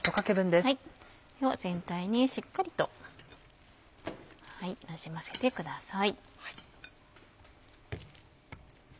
これを全体にしっかりとなじませてください。